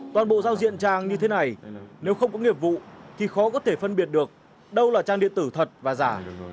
toàn bộ giao diện trang như thế này nếu không có nghiệp vụ thì khó có thể phân biệt được đâu là trang điện tử thật và giả